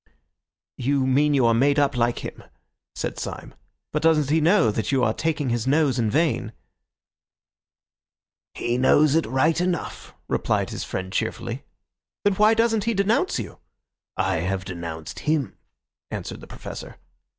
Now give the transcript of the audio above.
"You mean you are made up like him," said Syme. "But doesn't he know that you are taking his nose in vain?" "He knows it right enough," replied his friend cheerfully. "Then why doesn't he denounce you?" "I have denounced him," answered the Professor.